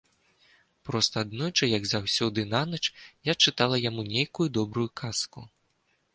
Проста аднойчы, як заўсёды нанач, я чытала яму нейкую добрую казку.